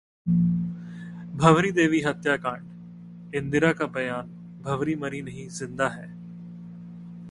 भंवरी देवी हत्याकांडः इंदिरा का बयान- 'भंवरी मरी नहीं जिंदा है'